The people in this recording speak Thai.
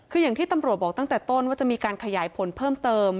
คืออย่างที่ตำรวจบอกตั้งแต่ต้นว่าจะมีการขยายผลเพิ่มเติม